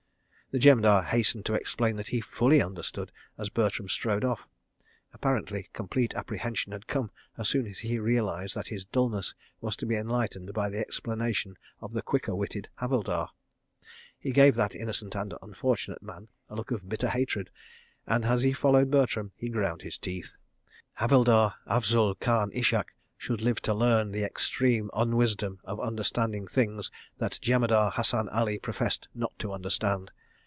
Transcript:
The Jemadar hastened to explain that he fully understood, as Bertram strode off. Apparently complete apprehension had come as soon as he realised that his dullness was to be enlightened by the explanation of the quicker witted Havildar. He gave that innocent and unfortunate man a look of bitter hatred, and, as he followed Bertram, he ground his teeth. Havildar Afzul Khan Ishak should live to learn the extreme unwisdom of understanding things that Jemadar Hassan Ali professed not to understand.